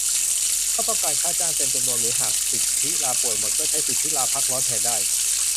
ถ้าต้องการค่าจ้างเต็มจำนวน หรือหากสิทธิ์ลาป่วยหมด ก็ใช้สิทธิ์ลาพักร้อนแทนได้